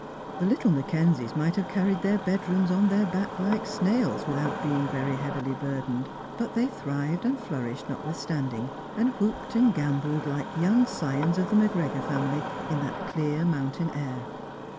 The little Mackenzics might have can ied their bedrooms on their back like snails without being very heavily burdened; but they thrived and flourished notwithstanding, and whooped and gam bolled like young scions of the Macgregor family in that clear ■mountain air.